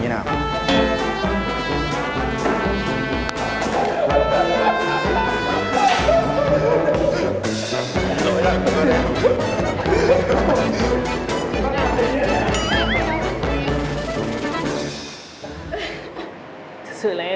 nhanh cái chân lên